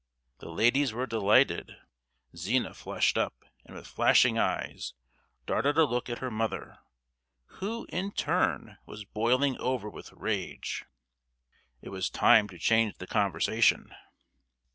The ladies were delighted. Zina flushed up, and with flashing eyes darted a look at her mother, who, in her turn, was boiling over with rage. It was time to change the conversation.